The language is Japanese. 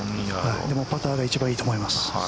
でも、パターが一番いいと思います。